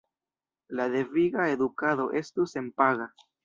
La deviga edukado estu senpaga.